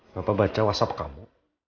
bapak baca whatsapp kamu